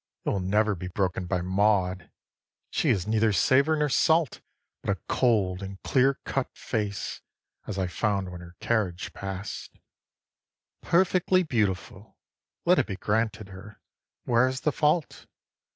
It will never be broken by Maud, she has neither savour nor salt, But a cold and clear cut face, as I found when her carriage past, Perfectly beautiful: let it be granted her: where is the fault?